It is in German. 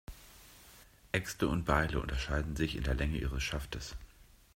Äxte und Beile unterscheiden sich in der Länge ihres Schaftes.